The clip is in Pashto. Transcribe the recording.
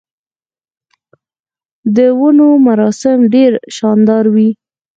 د ودونو مراسم ډیر شاندار وي.